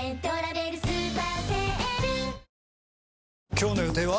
今日の予定は？